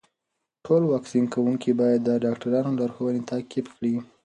ټول واکسین کوونکي باید د ډاکټرانو لارښوونې تعقیب کړي.